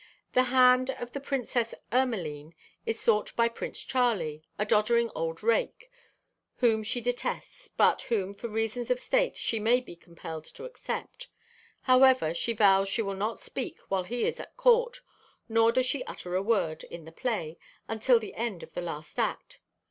The hand of the Princess Ermaline is sought by Prince Charlie, a doddering old rake, whom she detests, but whom for reasons of state she may be compelled to accept. However, she vows she will not speak while he is at court, nor does she utter a word, in the play, until the end of the last act.